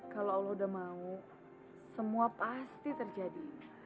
kalau allah udah mau semua pasti terjadi